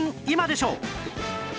今でしょ』